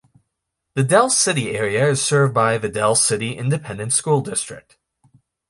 The Dell City area is served by the Dell City Independent School District.